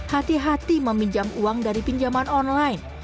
hati hati meminjam uang dari pinjaman online